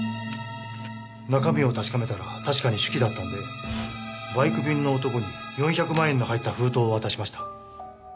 中身を確かめたら確かに手記だったのでバイク便の男に４００万円の入った封筒を渡しました。